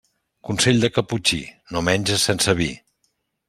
Consell de caputxí: no menges sense vi.